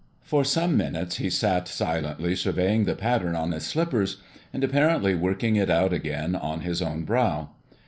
For some minutes he sat silently surveying the pattern on his slippers, and apparently working it out again on his own brow.